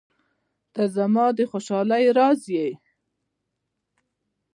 • ته زما د خوشحالۍ راز یې.